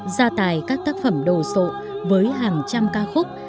gia tài các tác phẩm đồ sộ với hàng trăm ca khúc